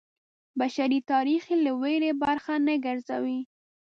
بشري تاریخ یې له ویرې برخه نه ګرځوي.